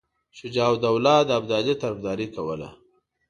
شجاع الدوله د ابدالي طرفداري کوله.